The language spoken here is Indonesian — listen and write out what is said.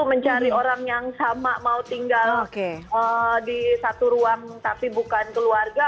mencari orang yang sama mau tinggal di satu ruang tapi bukan keluarga